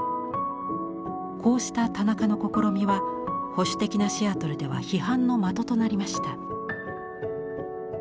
こうした田中の試みは保守的なシアトルでは批判の的となりました。